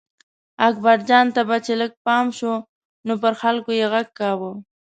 اکبرجان ته به چې لږ پام شو نو پر خلکو یې غږ کاوه.